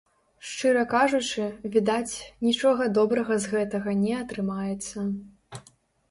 Шчыра кажучы, відаць, нічога добрага з гэтага не атрымаецца.